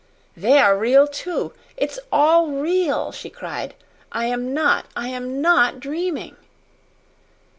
"They are real, too. It's all real!" she cried. "I am NOT I am NOT dreaming!"